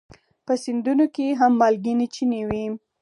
په سیندونو کې هم مالګینې چینې وي.